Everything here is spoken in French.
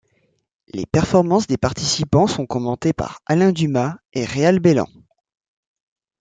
Les performances des participants sont commentées par Alain Dumas et Réal Béland.